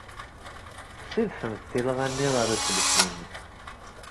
Ssidfemt tilɣa-nni ɣer uselkim.